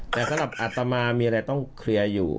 แต่สำหรับอัตมามีอะไรต้องเคลียร์อยู่